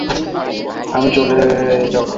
সম্প্রতি আমার মালিক মারা গেছে, তো আমি--- চলে যাও।